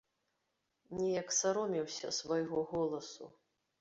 Неяк саромеўся свайго голасу.